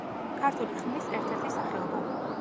ქართული ხმლის ერთ-ერთი სახეობა.